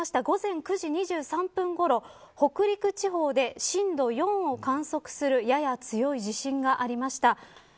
午前９時２３分ごろ北陸地方で震度４を観測するやや強い地震がありました。